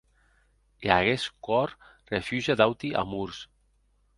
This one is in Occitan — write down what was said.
E aguest còr refuse d’auti amors!